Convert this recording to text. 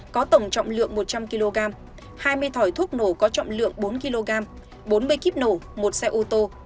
có tổng trọng lượng một trăm linh kg hai mươi thỏi thuốc nổ có trọng lượng bốn kg bốn mươi kíp nổ một xe ô tô